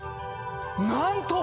なんと！